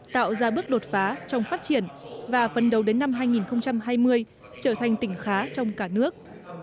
tạo ra bước đột phá trong phát triển và phân đấu đến năm hai nghìn hai mươi trở thành tỉnh khá trong cả nước